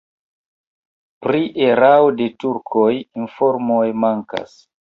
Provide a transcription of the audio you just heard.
Pri erao de turkoj informoj mankas.